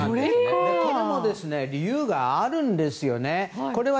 これも理由があるんですよね。